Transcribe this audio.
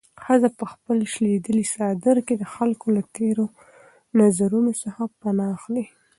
ښځه په خپل شلېدلي څادر کې د خلکو له تېرو نظرونو څخه پناه اخلي.